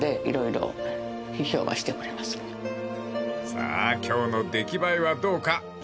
［さあ今日の出来栄えはどうか］